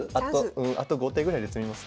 あと５手ぐらいで詰みます。